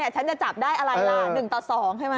ฉันจะจับได้อะไรล่ะ๑ต่อ๒ใช่ไหม